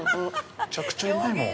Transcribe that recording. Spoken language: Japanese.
むちゃくちゃうまいもん。